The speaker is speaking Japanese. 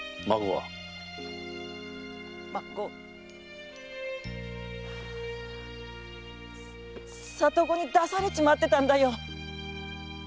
孫は里子に出されちまってたんだよ。